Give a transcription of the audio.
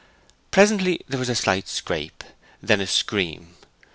Presently there was a slight scrape, then a scream.